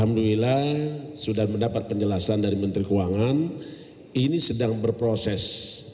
alhamdulillah sudah mendapat penjelasan dari menteri keuangan ini sedang berproses